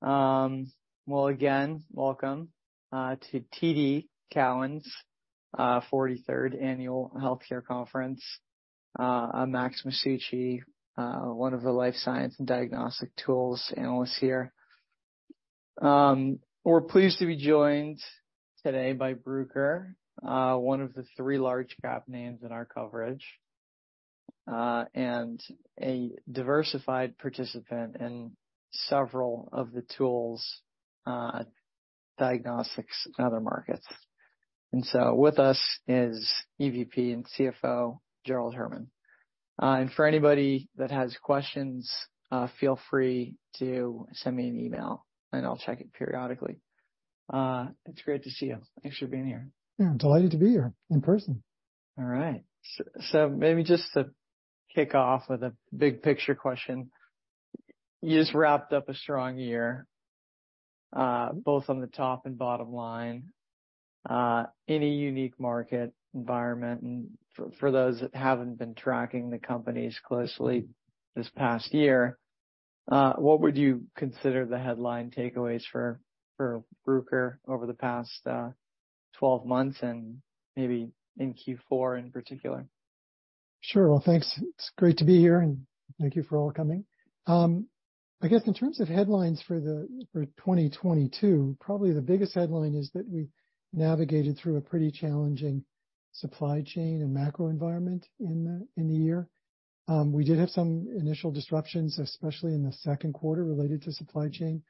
Well, again, welcome to TD Cowen's 43rd Annual Healthcare Conference. I'm Max Masucci, one of the life science and diagnostic tools analysts here. We're pleased to be joined today by Bruker, one of the three large cap names in our coverage, and a diversified participant in several of the tools, diagnostics and other markets. With us is Executive Vice President and Chief Financial Officer, Gerald Herman. For anybody that has questions, feel free to send me an email, and I'll check it periodically. It's great to see you. Thanks for being here. Yeah, I'm delighted to be here in person. All right. So maybe just to kick off with a big picture question, you just wrapped up a strong year, both on the top and bottom line, in a unique market environment. For those that haven't been tracking the companies closely this past year, what would you consider the headline takeaways for Bruker over the past 12 months and maybe in Q4 in particular? Sure. Well, thanks. It's great to be here, and thank you for all coming. I guess in terms of headlines for 2022, probably the biggest headline is that we navigated through a pretty challenging supply chain and macro environment in the year. We did have some initial disruptions, especially in the second quarter, related to supply chain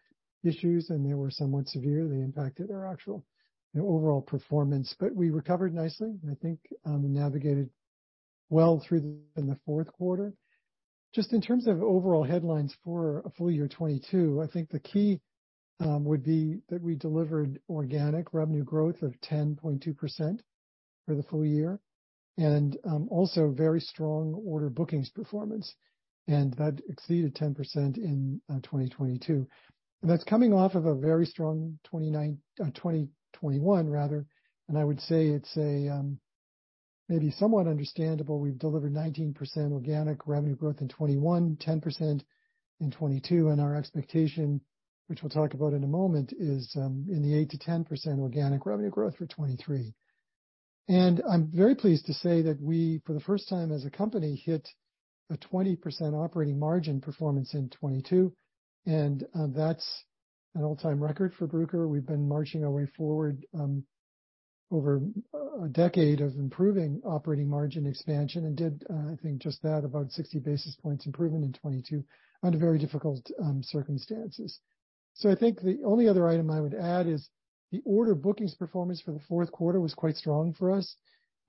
issues, and they were somewhat severe. They impacted our actual, you know, overall performance. We recovered nicely, and I think navigated well through the fourth quarter. Just in terms of overall headlines for a full year 2022, I think the key would be that we delivered organic revenue growth of 10.2% for the full year. Also very strong order bookings performance, and that exceeded 10% in 2022. That's coming off of a very strong 2021 rather, I would say it's a maybe somewhat understandable. We've delivered 19% organic revenue growth in 2021, 10% in 2022. Our expectation, which we'll talk about in a moment, is in the 8%-10% organic revenue growth for 2023. I'm very pleased to say that we, for the first time as a company, hit a 20% operating margin performance in 2022, that's an all-time record for Bruker. We've been marching our way forward, over a decade of improving operating margin expansion and did, I think just that, about 60 basis points improvement in 2022 under very difficult circumstances. I think the only other item I would add is the order bookings performance for the fourth quarter was quite strong for us.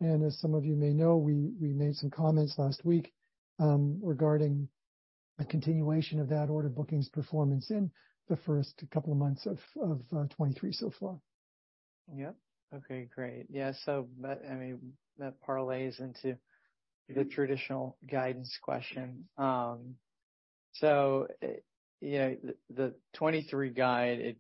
As some of you may know, we made some comments last week, regarding a continuation of that order bookings performance in the first couple of months of 2023 so far. Yep. Okay, great. I mean, that parlays into the traditional guidance question. You know, the 2023 guide, it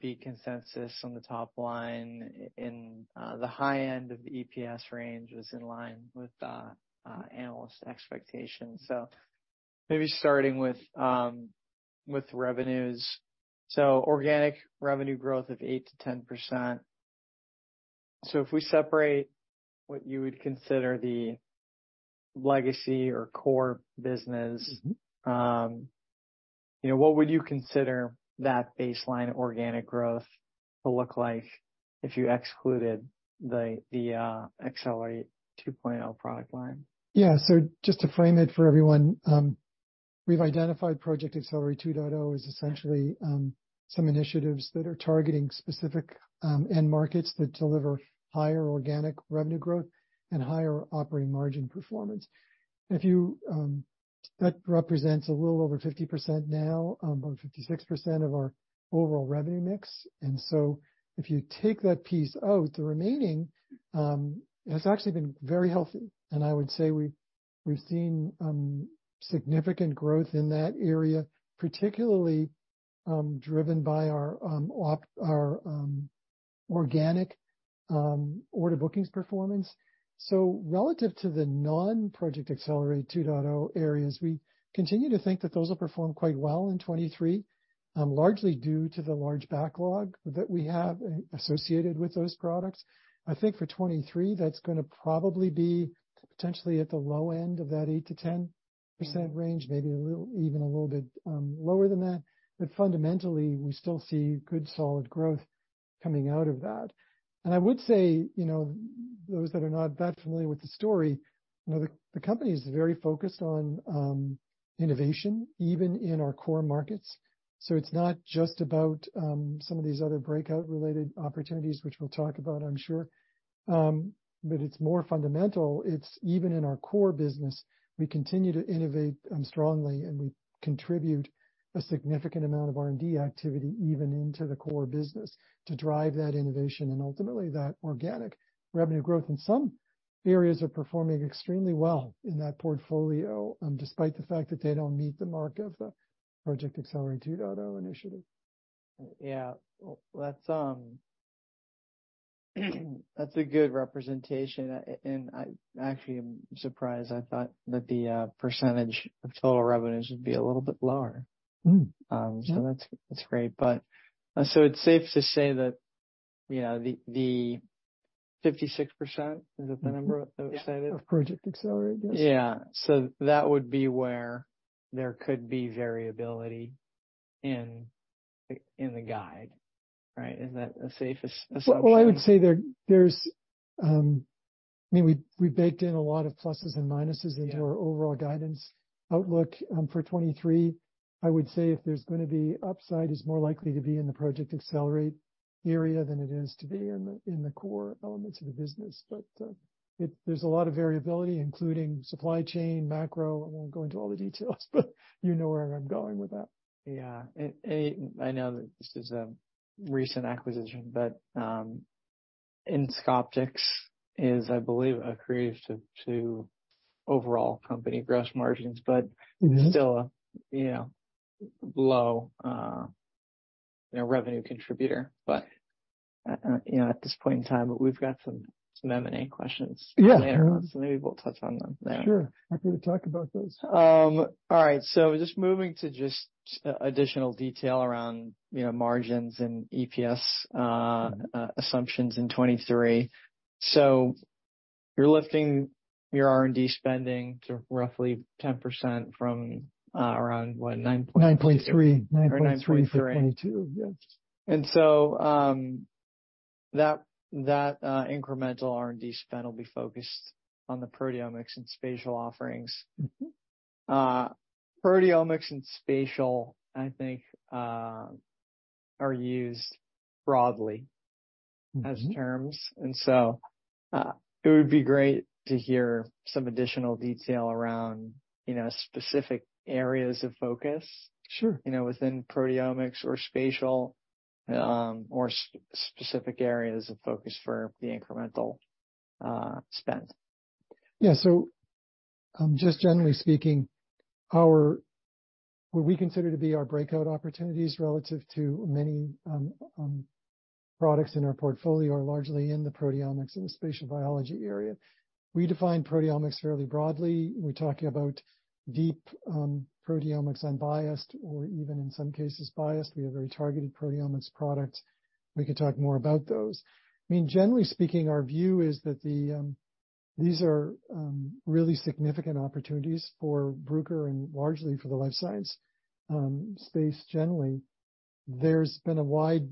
beat consensus on the top line in the high end of the EPS range was in line with analyst expectations. Maybe starting with revenues. Organic revenue growth of 8%-10%. If we separate what you would consider the legacy or core business, you know, what would you consider that baseline organic growth to look like if you excluded the Accelerate 2.0 product line? Just to frame it for everyone, we've identified Project Accelerate 2.0 as essentially, some initiatives that are targeting specific, end markets that deliver higher organic revenue growth and higher operating margin performance. That represents a little over 50% now, about 56% of our overall revenue mix. If you take that piece out, the remaining, has actually been very healthy. I would say we've seen significant growth in that area, particularly, driven by our organic order bookings performance. Relative to the non-Project Accelerate 2.0 areas, we continue to think that those will perform quite well in 2023, largely due to the large backlog that we have associated with those products. I think for 2023, that's going to probably be potentially at the low end of that 8%-10% range, maybe even a little bit lower than that. Fundamentally, we still see good solid growth coming out of that. I would say, you know, those that are not that familiar with the story, you know, the company is very focused on innovation, even in our core markets. It's not just about some of these other breakout-related opportunities, which we'll talk about, I'm sure. It's more fundamental. It's even in our core business, we continue to innovate, strongly, and we contribute a significant amount of R&D activity even into the core business to drive that innovation and ultimately that organic revenue growth in some areas are performing extremely well in that portfolio, despite the fact that they don't meet the mark of the Project Accelerate 2.0 initiative. Yeah. Well, that's a good representation. I actually am surprised. I thought that the percentage of total revenues would be a little bit lower. Mm-hmm. Yeah. That's, that's great. It's safe to say that, you know, the 56%, is that the number that we said it? Of Project Accelerate, yes. Yeah. That would be where there could be variability in the guide, right? Is that a safest assumption? Well, I would say there's, I mean, we baked in a lot of pluses and minuses- Yeah into our overall guidance outlook for 2023. I would say if there's gonna be upside, it's more likely to be in the Project Accelerate area than it is to be in the, in the core elements of the business. There's a lot of variability, including supply chain, macro. I won't go into all the details, but you know where I'm going with that. Yeah. I know that this is a recent acquisition, but [Inscopix] is, I believe, accretive to overall company gross margins. Mm-hmm. Still, you know, low, you know, revenue contributor. You know, at this point in time, we've got some M&A questions. Yeah... later on, so maybe we'll touch on them then. Sure. Happy to talk about those. All right, just moving to additional detail around, you know, margins and EPS assumptions in 2023. You're lifting your R&D spending to roughly 10% from around what? 9.3. 9.3. 9.3 for 2022, yes. That incremental R&D spend will be focused on the proteomics and spatial offerings. Mm-hmm. Proteomics and spatial, I think, are used broadly. Mm-hmm... as terms. It would be great to hear some additional detail around, you know, specific areas of focus. Sure... you know, within proteomics or spatial, or specific areas of focus for the incremental spend. Yeah. Just generally speaking, what we consider to be our breakout opportunities relative to many products in our portfolio are largely in the proteomics and the spatial biology area. We define proteomics fairly broadly. We're talking about deep proteomics unbiased or even in some cases biased. We have very targeted proteomics products. We could talk more about those. I mean, generally speaking, our view is that these are really significant opportunities for Bruker and largely for the life science space generally. There's been a wide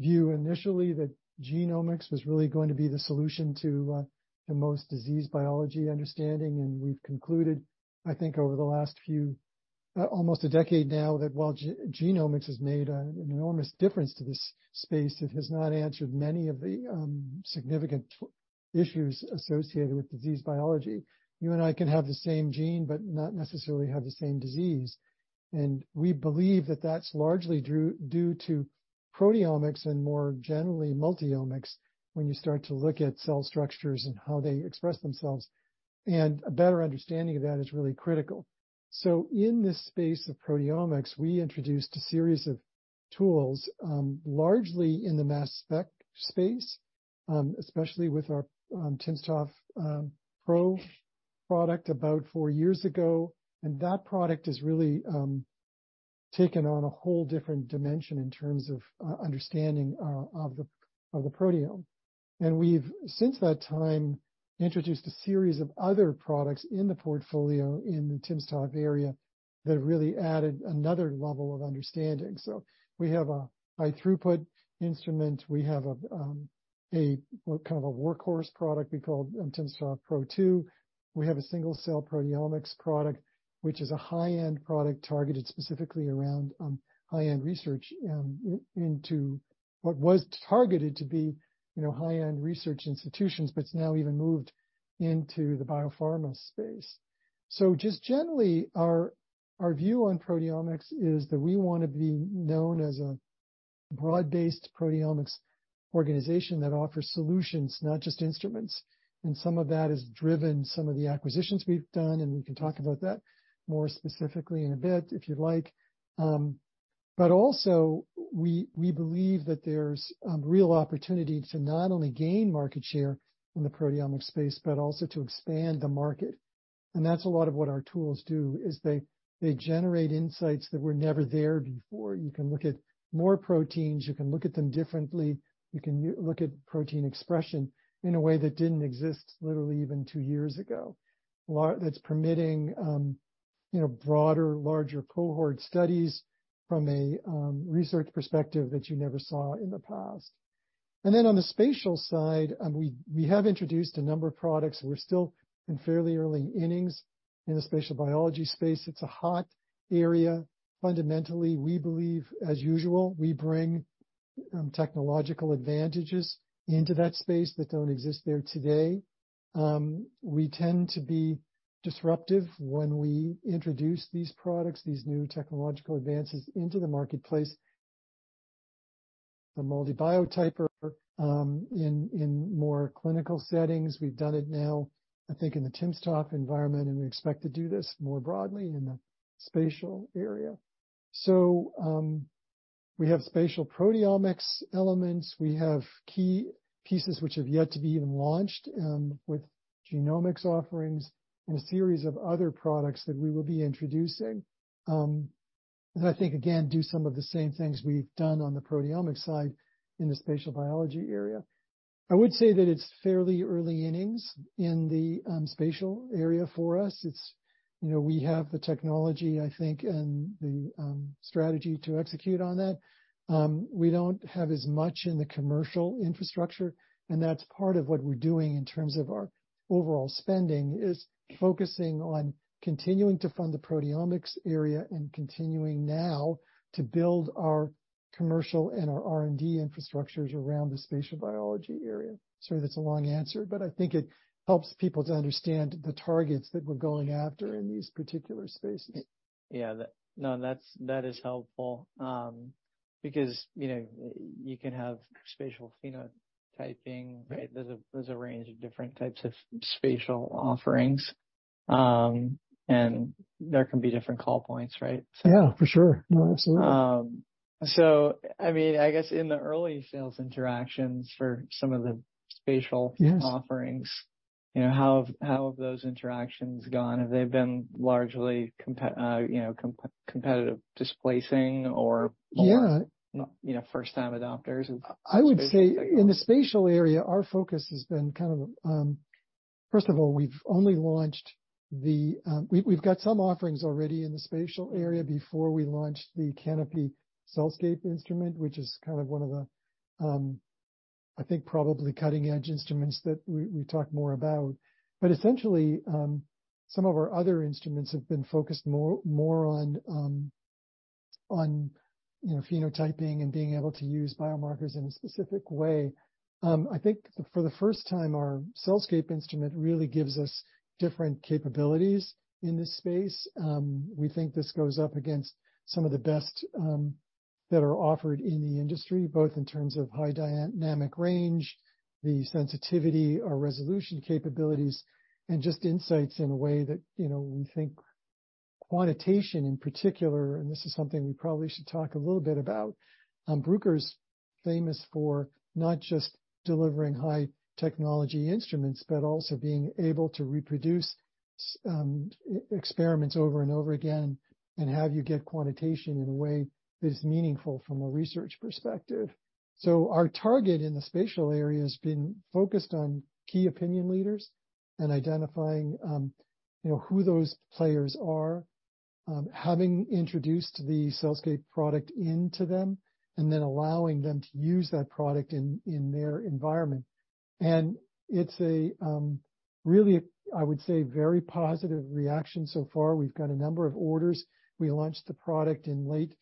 view initially that genomics was really going to be the solution to most disease biology understanding. We've concluded, I think, over the last few, almost a decade now, that while genomics has made an enormous difference to this space, it has not answered many of the significant issues associated with disease biology. You and I can have the same gene, not necessarily have the same disease. We believe that that's largely due to proteomics and more generally multi-omics when you start to look at cell structures and how they express themselves, and a better understanding of that is really critical. In this space of proteomics, we introduced a series of tools, largely in the mass spec space, especially with our timsTOF Pro product about four years ago. That product has really taken on a whole different dimension in terms of understanding of the proteome. We've, since that time, introduced a series of other products in the portfolio in the timsTOF area that have really added another level of understanding. We have a high throughput instrument. We have a kind of a workhorse product we call timsTOF Pro 2. We have a single-cell proteomics product, which is a high-end product targeted specifically around high-end research into what was targeted to be, you know, high-end research institutions, but it's now even moved into the biopharma space. Just generally, our view on proteomics is that we wanna be known as a broad-based proteomics organization that offers solutions, not just instruments. Some of that is driven, some of the acquisitions we've done, and we can talk about that more specifically in a bit if you'd like. Also we believe that there's real opportunity to not only gain market share in the proteomics space, but also to expand the market. That's a lot of what our tools do, is they generate insights that were never there before. You can look at more proteins, you can look at them differently, you can look at protein expression in a way that didn't exist literally even 2 years ago. That's permitting, you know, broader, larger cohort studies from a research perspective that you never saw in the past. On the spatial side, we have introduced a number of products. We're still in fairly early innings in the spatial biology space. It's a hot area. Fundamentally, we believe, as usual, we bring technological advantages into that space that don't exist there today. We tend to be disruptive when we introduce these products, these new technological advances into the marketplace. The MALDI Biotyper, in more clinical settings. We've done it now, I think, in the timsTOF environment, and we expect to do this more broadly in the spatial area. We have spatial proteomics elements. We have key pieces which have yet to be even launched, with genomics offerings and a series of other products that we will be introducing, that I think, again, do some of the same things we've done on the proteomics side in the spatial biology area. I would say that it's fairly early innings in the spatial area for us. It's, you know, we have the technology, I think, and the strategy to execute on that. We don't have as much in the commercial infrastructure, and that's part of what we're doing in terms of our overall spending, is focusing on continuing to fund the proteomics area and continuing now to build our commercial and our R&D infrastructures around the spatial biology area. Sorry, that's a long answer, but I think it helps people to understand the targets that we're going after in these particular spaces. Yeah. No, that is helpful, because, you know, you can have spatial phenotyping, right? There's a range of different types of spatial offerings, and there can be different call points, right? Yeah, for sure. No, absolutely. I mean, I guess in the early sales interactions for some of the spatial-. Yes... offerings, you know, how have those interactions gone? Have they been largely competitive displacing? Yeah... or, you know, first time adopters of spatial technology? I would say in the spatial area, our focus has been kind of. First of all, we've only launched the. We've got some offerings already in the spatial area before we launched the Canopy CellScape instrument, which is kind of one of the, I think, probably cutting edge instruments that we talked more about. Essentially, some of our other instruments have been focused more on, you know, phenotyping and being able to use biomarkers in a specific way. I think for the first time, our CellScape instrument really gives us different capabilities in this space. We think this goes up against some of the best that are offered in the industry, both in terms of high dynamic range, the sensitivity, our resolution capabilities, and just insights in a way that, you know, we think quantitation in particular, and this is something we probably should talk a little bit about. Bruker's famous for not just delivering high technology instruments, but also being able to reproduce experiments over and over again and have you get quantitation in a way that is meaningful from a research perspective. Our target in the spatial area has been focused on key opinion leaders and identifying, you know, who those players are. Having introduced the CellScape product into them and then allowing them to use that product in their environment. It's a really, I would say, very positive reaction so far. We've got a number of orders. We launched the product in late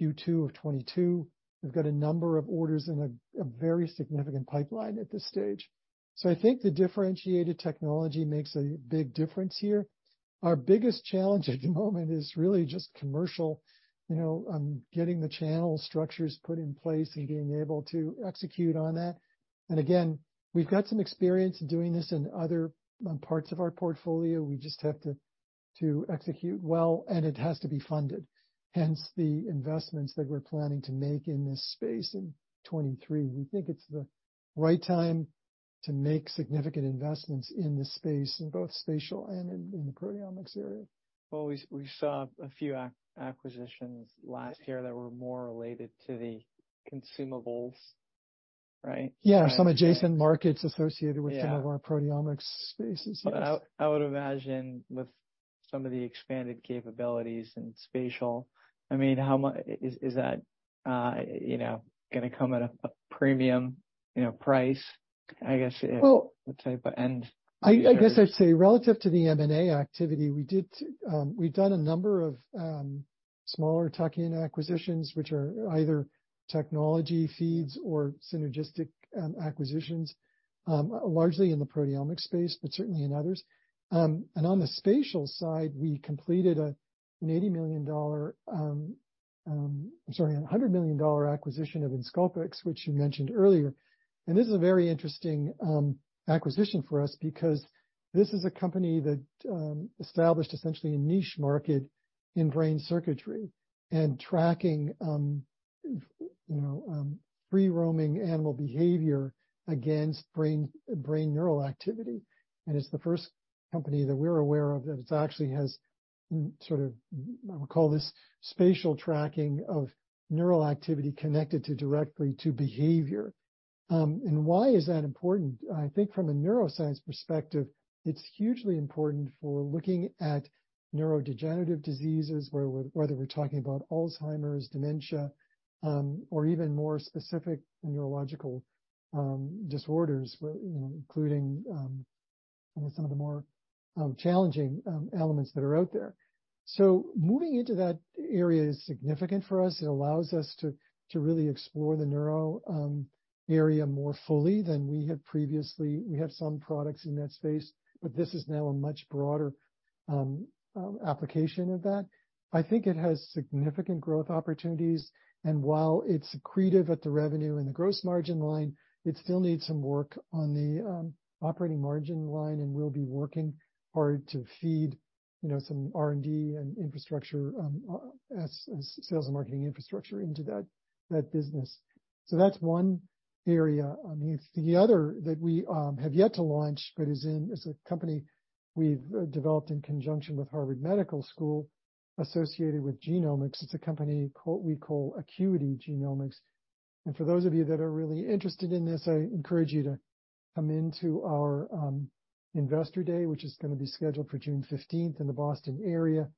Q2 of 2022. We've got a number of orders in a very significant pipeline at this stage. I think the differentiated technology makes a big difference here. Our biggest challenge at the moment is really just commercial, you know, getting the channel structures put in place and being able to execute on that. Again, we've got some experience doing this in other parts of our portfolio. We just have to execute well, and it has to be funded, hence the investments that we're planning to make in this space in 2023. We think it's the right time to make significant investments in this space, in both spatial and in the proteomics area. Well, we saw a few acquisitions last year that were more related to the consumables, right? Yeah. Some adjacent markets associated- Yeah... with some of our proteomics spaces, yes. I would imagine with some of the expanded capabilities in spatial, I mean, Is that, you know, gonna come at a premium, you know, price, I guess, let's say, but end user? I guess I'd say relative to the M&A activity we did, we've done a number of smaller tuck-in acquisitions, which are either technology feeds or synergistic acquisitions, largely in the proteomic space, but certainly in others. On the spatial side, we completed a $80 million, sorry, a $100 million acquisition of Inscopix, which you mentioned earlier. This is a very interesting acquisition for us because this is a company that established essentially a niche market in brain circuitry and tracking, you know, free roaming animal behavior against brain neural activity. It's the first company that we're aware of that it actually has sort of, I'll call this spatial tracking of neural activity connected to directly to behavior. Why is that important? I think from a neuroscience perspective, it's hugely important for looking at neurodegenerative diseases, whether we're talking about Alzheimer's, dementia, or even more specific neurological disorders, you know, including some of the more challenging elements that are out there. Moving into that area is significant for us. It allows us to really explore the neuro area more fully than we had previously. We have some products in that space, but this is now a much broader application of that. I think it has significant growth opportunities, and while it's accretive at the revenue and the gross margin line, it still needs some work on the operating margin line, and we'll be working hard to, You know, some R&D and infrastructure, as sales and marketing infrastructure into that business. That's one area. I mean, the other that we have yet to launch but is a company we've developed in conjunction with Harvard Medical School associated with genomics. It's a company we call Acuity Genomics. For those of you that are really interested in this, I encourage you to come into our investor day, which is gonna be scheduled for June 15th in the Boston area,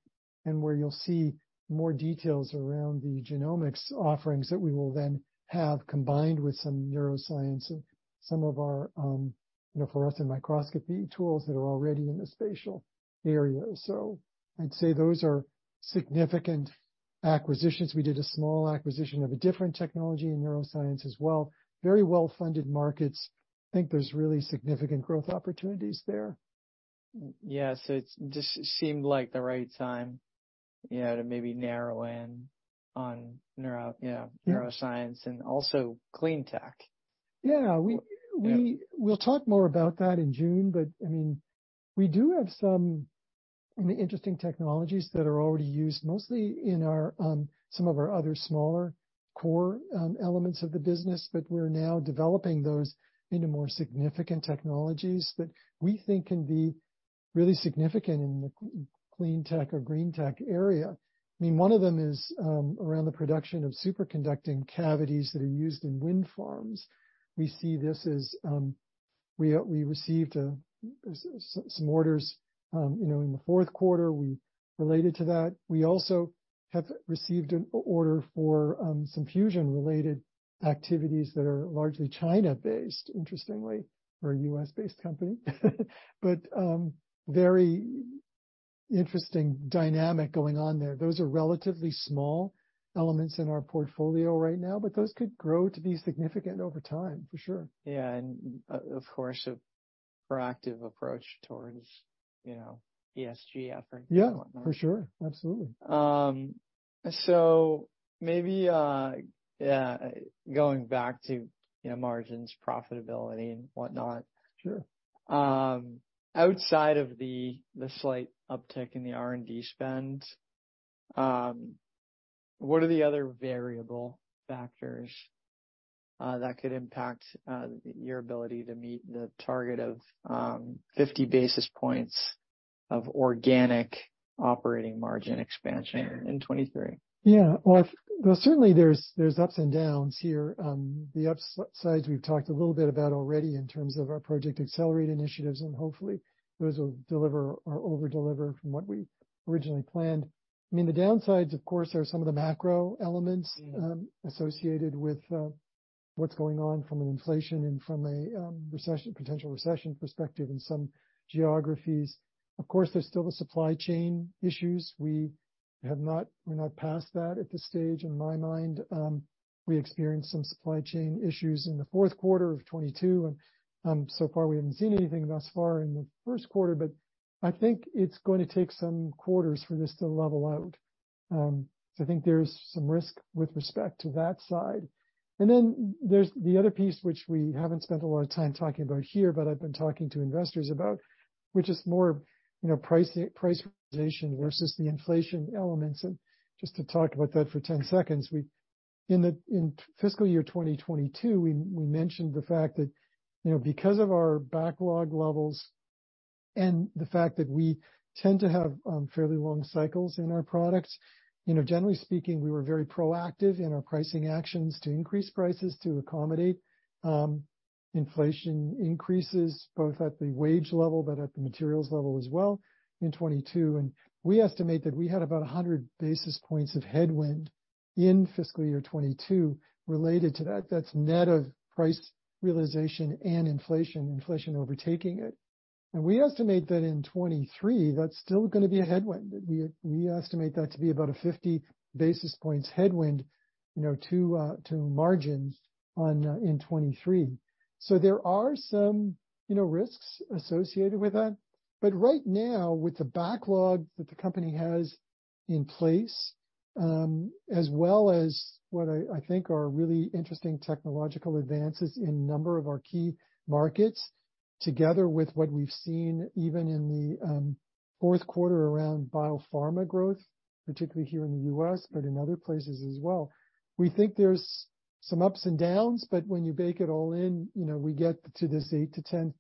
where you'll see more details around the genomics offerings that we will then have combined with some neuroscience and some of our, you know, fluorescence microscopy tools that are already in the spatial area. I'd say those are significant acquisitions. We did a small acquisition of a different technology in neuroscience as well. Very well-funded markets. I think there's really significant growth opportunities there. Yeah. It just seemed like the right time, you know, to maybe narrow in on yeah, neuroscience and also clean tech. Yeah. We'll talk more about that in June. I mean, we do have some interesting technologies that are already used mostly in our some of our other smaller core elements of the business, we're now developing those into more significant technologies that we think can be really significant in the clean tech or green tech area. I mean, one of them is around the production of superconducting cavities that are used in wind farms. We see this as. We received some orders, you know, in the fourth quarter. We related to that. We also have received an order for some fusion-related activities that are largely China-based. Interestingly, we're a U.S.-based company. Very interesting dynamic going on there. Those are relatively small elements in our portfolio right now, but those could grow to be significant over time, for sure. Yeah. Of course, a proactive approach towards, you know, ESG effort. Yeah, for sure. Absolutely. Maybe, yeah, going back to, you know, margins, profitability and whatnot. Sure. Outside of the slight uptick in the R&D spend, what are the other variable factors that could impact your ability to meet the target of 50 basis points of organic operating margin expansion in 2023? Yeah. Well, certainly, there's ups and downs here. The up sides we've talked a little bit about already in terms of our Project Accelerate initiatives, and hopefully those will deliver or over-deliver from what we originally planned. I mean, the downsides, of course, are some of the macro elements. Mm. associated with what's going on from an inflation and from a recession, potential recession perspective in some geographies. Of course, there's still the supply chain issues. We're not past that at this stage in my mind. We experienced some supply chain issues in the fourth quarter of 2022, and so far we haven't seen anything thus far in the first quarter, but I think it's going to take some quarters for this to level out. I think there is some risk with respect to that side. Then there's the other piece which we haven't spent a lot of time talking about here, but I've been talking to investors about, which is more, you know, price realization versus the inflation elements. Just to talk about that for 10 seconds. In fiscal year 2022, we mentioned the fact that, you know, because of our backlog levels and the fact that we tend to have fairly long cycles in our products, you know, generally speaking, we were very proactive in our pricing actions to increase prices to accommodate inflation increases both at the wage level, but at the materials level as well in 2022. We estimate that we had about 100 basis points of headwind in fiscal year 2022 related to that. That's net of price realization and inflation overtaking it. We estimate that in 2023, that's still gonna be a headwind. We estimate that to be about 50 basis points headwind, you know, to margins on in 2023. There are some, you know, risks associated with that. Right now, with the backlog that the company has in place, as well as what I think are really interesting technological advances in a number of our key markets, together with what we've seen even in the fourth quarter around biopharma growth, particularly here in the U.S., but in other places as well. We think there's some ups and downs, but when you bake it all in, you know, we get to this 8%-10%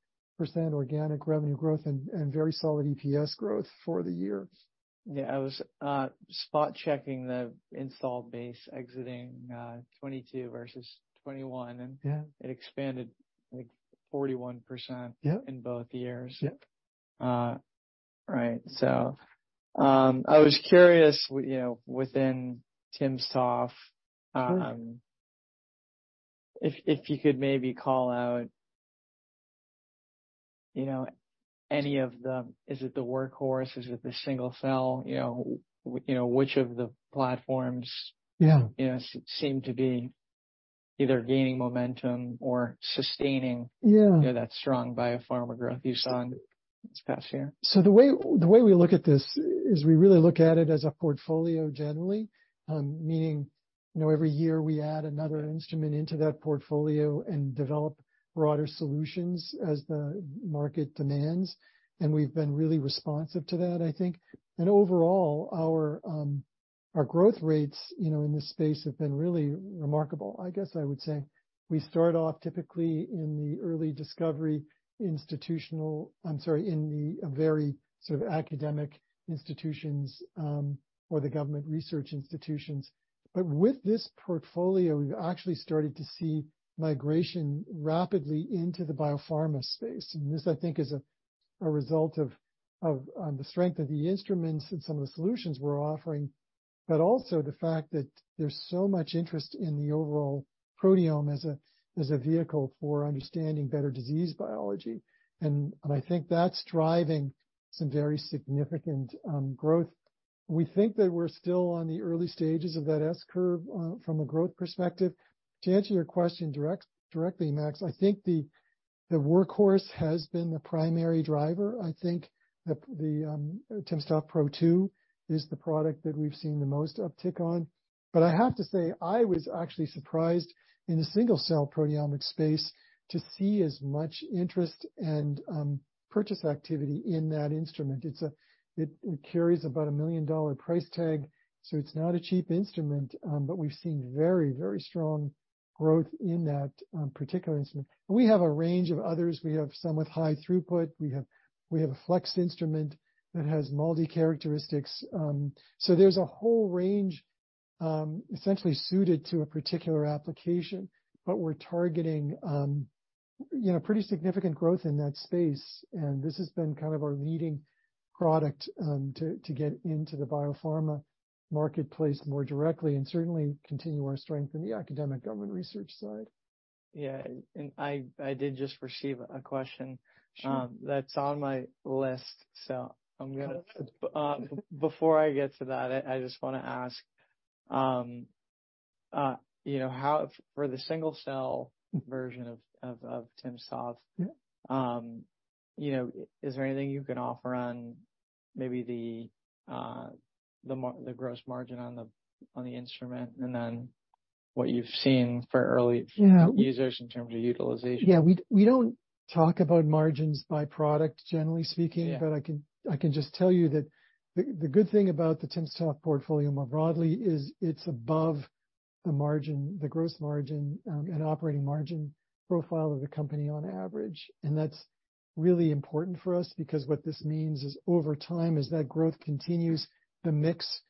organic revenue growth and very solid EPS growth for the year. Yeah. I was spot-checking the installed base exiting 22 versus 21. Yeah. it expanded, like, 41%. Yeah. in both years. Yeah. Right. I was curious, you know, within timsTOF, if you could maybe call out, you know, any of the... Is it the workhorse? Is it the single cell? You know, which of the platforms... Yeah. you know, seem to be either gaining momentum or sustaining... Yeah. You know, that strong biopharma growth you saw this past year. The way we look at this is we really look at it as a portfolio generally, meaning, you know, every year we add another instrument into that portfolio and develop broader solutions as the market demands, and we've been really responsive to that, I think. Overall, our growth rates, you know, in this space have been really remarkable. I guess I would say we start off typically in the early discovery. I'm sorry, in the very sort of academic institutions or the government research institutions. With this portfolio, we've actually started to see migration rapidly into the biopharma space. This, I think, is a result of the strength of the instruments and some of the solutions we're offering, but also the fact that there's so much interest in the overall proteome as a vehicle for understanding better disease biology. I think that's driving some very significant growth. We think that we're still on the early stages of that S curve from a growth perspective. To answer your question directly, Max, I think the workhorse has been the primary driver. I think the timsTOF Pro 2 is the product that we've seen the most uptick on. I have to say, I was actually surprised in the single-cell proteomic space to see as much interest and purchase activity in that instrument. It carries about $1 million price tag, so it's not a cheap instrument, but we've seen very, very strong growth in that particular instrument. We have a range of others. We have some with high throughput. We have a flex instrument that has multi-characteristics. So there's a whole range, essentially suited to a particular application, but we're targeting, you know, pretty significant growth in that space. This has been kind of our leading product to get into the biopharma marketplace more directly and certainly continue our strength in the academic government research side. Yeah. I did just receive a question- Sure. that's on my list, so I'm gonna... before I get to that, I just wanna ask, you know, for the single-cell version of timsTOF. Mm-hmm. You know, is there anything you can offer on maybe the gross margin on the, on the instrument, and then what you've seen for early... Yeah. users in terms of utilization? Yeah. We don't talk about margins by product, generally speaking. Yeah. I can just tell you that the good thing about the timsTOF portfolio more broadly is it's above the margin, the gross margin, and operating margin profile of the company on average. That's really important for us because what this means is over time, as that growth continues, the mix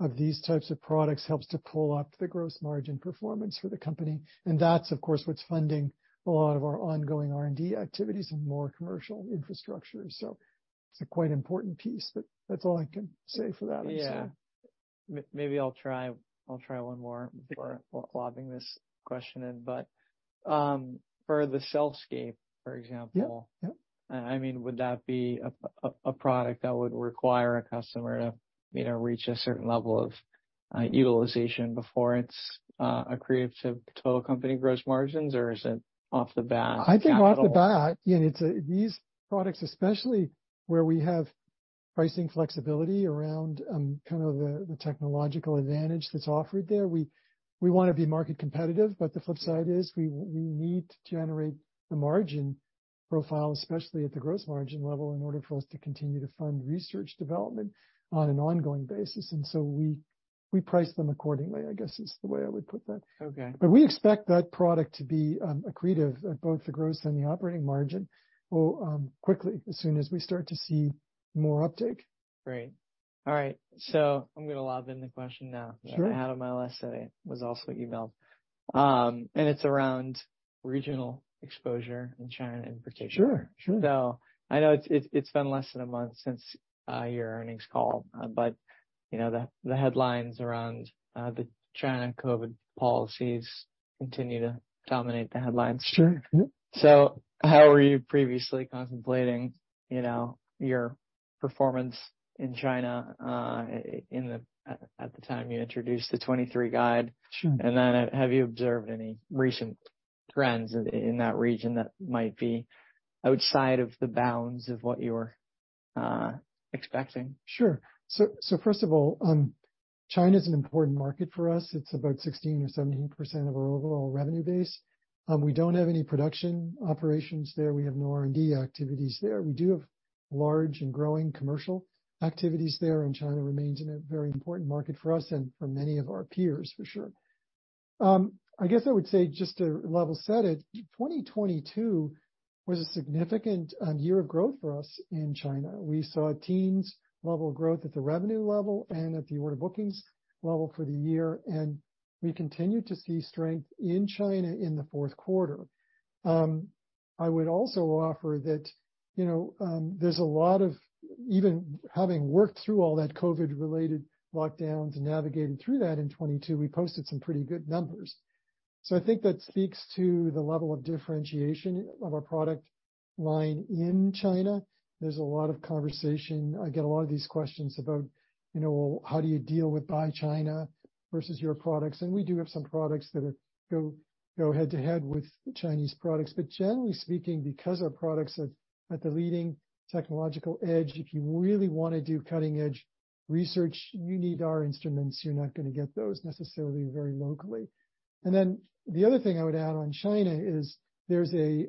of these types of products helps to pull up the gross margin performance for the company. That's, of course, what's funding a lot of our ongoing R&D activities and more commercial infrastructure. It's a quite important piece, that's all I can say for that I'm sorry. Yeah. Maybe I'll try one more before lobbing this question in, but, for the CellScape, for example. Yeah. Yeah. I mean, would that be a product that would require a customer to, you know, reach a certain level of utilization before it's accretive to total company gross margins, or is it off the bat capital? I think off the bat, you know, these products, especially where we have pricing flexibility around, kind of the technological advantage that's offered there, we wanna be market competitive, but the flip side is we need to generate the margin profile, especially at the gross margin level, in order for us to continue to fund research development on an ongoing basis. We price them accordingly, I guess is the way I would put that. Okay. We expect that product to be accretive at both the gross and the operating margin will quickly as soon as we start to see more uptick. Great. All right. I'm gonna lob in the question now. Sure. -that I had on my list that I was also emailed. It's around regional exposure in China in particular. Sure. Sure. I know it's been less than a month since your earnings call, but, you know, the headlines around the China COVID policies continue to dominate the headlines. Sure. Mm-hmm. How are you previously contemplating, you know, your performance in China, at the time you introduced the 2023 guide? Sure. Have you observed any recent trends in that region that might be outside of the bounds of what you were, expecting? Sure. First of all, China's an important market for us. It's about 16% or 17% of our overall revenue base. We don't have any production operations there. We have no R&D activities there. We do have large and growing commercial activities there, China remains a very important market for us and for many of our peers, for sure. I guess I would say just to level set it, 2022 was a significant year of growth for us in China. We saw teens level growth at the revenue level and at the order bookings level for the year, we continued to see strength in China in the fourth quarter. I would also offer that, you know, there's a lot of... Even having worked through all that COVID-related lockdowns and navigating through that in 2022, we posted some pretty good numbers. I think that speaks to the level of differentiation of our product line in China. There's a lot of conversation. I get a lot of these questions about, you know, well, how do you deal with Buy China versus your products? We do have some products that are go head to head with Chinese products. Generally speaking, because our products are at the leading technological edge, if you really wanna do cutting edge research, you need our instruments. You're not gonna get those necessarily very locally. The other thing I would add on China is there's a,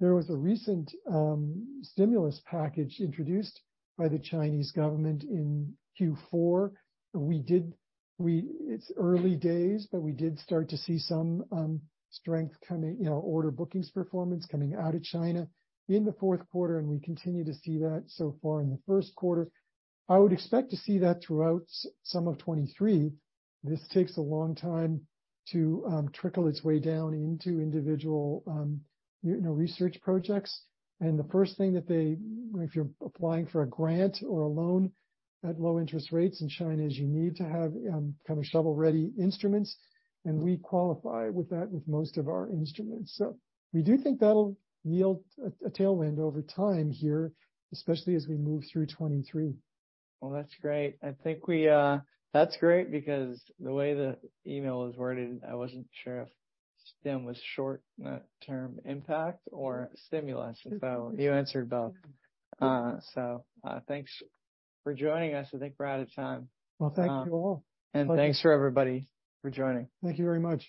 there was a recent stimulus package introduced by the Chinese government in Q4. It's early days, but we did start to see some strength coming, you know, order bookings performance coming out of China in the fourth quarter, and we continue to see that so far in the first quarter. I would expect to see that throughout some of 2023. This takes a long time to trickle its way down into individual, you know, research projects. The first thing that if you're applying for a grant or a loan at low interest rates in China, is you need to have kind of shovel-ready instruments, and we qualify with that with most of our instruments. We do think that'll yield a tailwind over time here, especially as we move through 2023. Well, that's great. That's great because the way the email was worded, I wasn't sure if stim was short term impact or stimulus. You answered both. Thanks for joining us. I think we're out of time. Well, thank you all. Thanks for everybody for joining. Thank you very much.